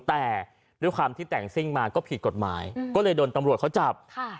แต่ด้วยความที่แต่งซิ่งมาก็ผิดกฎหมายก็เลยโดนตำรวจเขาจับ